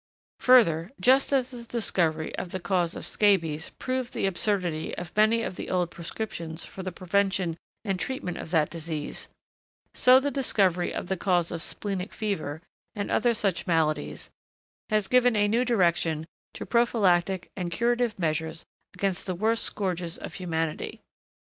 Further, just as the discovery of the cause of scabies proved the absurdity of many of the old prescriptions for the prevention and treatment of that disease; so the discovery of the cause of splenic fever, and other such maladies, has given a new direction to prophylactic and curative measures against the worst scourges of humanity.